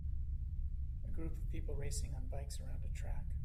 A group of people racing on bikes around a track.